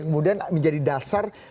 kemudian menjadi dasar